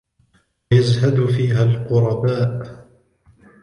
وَيَزْهَدُ فِيهَا الْقُرَبَاءُ